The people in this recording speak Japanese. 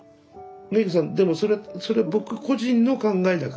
ｍｅｇｕさんでもそれそれ僕個人の考えだから。